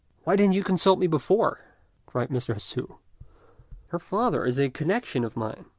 "Why didn't you consult me before?" cried Mr. Hsü; "her father is a connection of mine."